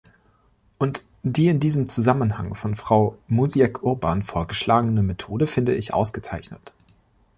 Und die in diesem Zusammenhang von Frau Mosiek-Urban vorgeschlagene Methode finde ich ausgezeichnet.